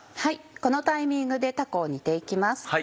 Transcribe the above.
このタイミングでたこを煮て行きます。